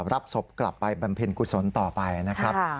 รับศพกลับไปบำเพ็ญกุศลต่อไปนะครับ